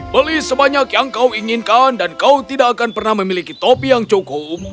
beli sebanyak yang kau inginkan dan kau tidak akan pernah memiliki topi yang cukup